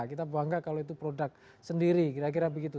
kita bangga kalau itu produk sendiri kira kira begitu